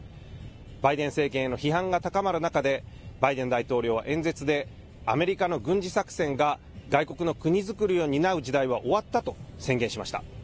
バイデン政権への批判が高まる中で、バイデン大統領は演説で、アメリカの軍事作戦が外国の国造りを担う時代は終わったと宣言しました。